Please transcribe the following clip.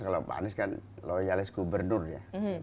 kalau pak anies kan loyalis gubernur ya